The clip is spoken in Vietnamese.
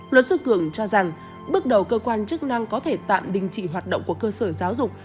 luật sư cường cho rằng bước đầu cơ quan chức năng có thể tạm đình chỉ hoạt động của cơ sở giáo dục